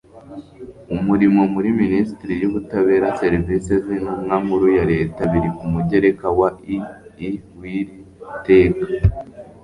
umurimo muri minisiteri y'ubutabera/serivisi z'intumwa nkuru ya leta biri ku mugereka wa ii w'iri teka